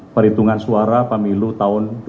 perhitungan suara pemilu tahun dua ribu sembilan belas